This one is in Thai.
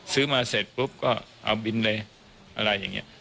ซื้อมาเสร็จปุ๊บก็เอาบินเลยอะไรอย่างนี้